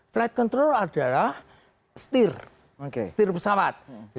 flight control adalah setir setir pesawat